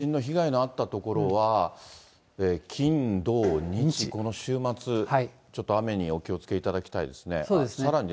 ですから地震の被害のあった所は、金、土、日、この週末、ちょっと雨にお気をつけいただきたいですね。